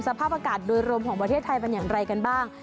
สภาพอากาศโดยรวมของประเทศไทยเป็นอย่างไรกันบ้าง